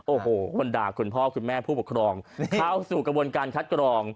โอ้โหคนด่าคุณพ่อคุณแม่ผู้ปกครองเข้าสู่กระบวนการคัดกรอง